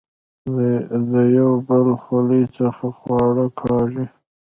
د يو بل خولې څخه خواړۀ کاږي